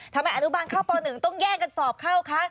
อนุบาลเข้าป๑ต้องแย่งกันสอบเข้าคะ